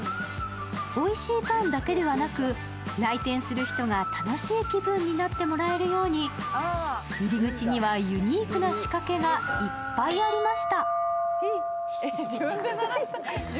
おいしいパンだけではなく、来店する人たちが楽しい気分になってもらえるように、入り口にはユニークな仕掛けがいっぱいありました。